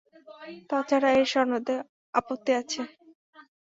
তাছাড়া এর সনদে আপত্তি আছে।